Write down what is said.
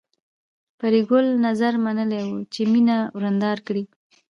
پري ګلې نذر منلی و چې مینه ورېنداره کړي